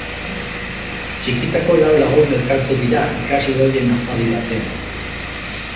Txikitako lau lagun elkartu dira ikasle ohien afari batean.